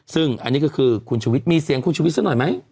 ซึ่งอันนี้ก็คือคุณชุวิตมีเสียงคุณชุวิตซะหน่อยไหม